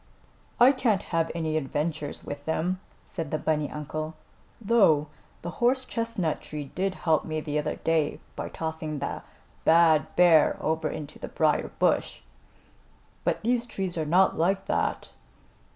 "I can't have any adventures with them," said the bunny uncle, "though the horse chestnut tree did help me the other day by tossing the bad bear over into the briar bush. But these trees are not like that."